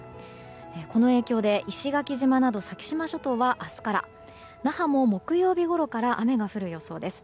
この影響で石垣島など先島諸島は明日から那覇も木曜日ごろから雨が降る予想です。